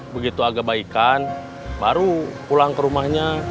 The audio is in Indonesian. begitu agak baikan baru pulang ke rumahnya